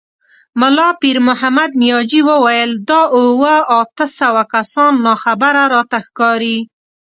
ملا پيرمحمد مياجي وويل: دا اووه، اته سوه کسان ناخبره راته ښکاري.